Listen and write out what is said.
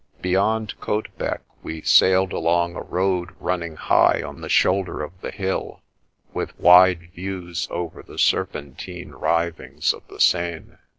Beyond Caudebec we sailed along a road run ning high on the shoulder of the hill, with wide views over the serpentine writhings of the Seine.